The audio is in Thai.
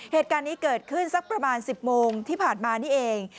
เหตุการณ์นี้เกิดขึ้นสักประมาณ๑๐โมงที่ผ่านมานี่เอง